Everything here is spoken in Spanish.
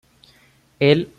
Él lo ayudará".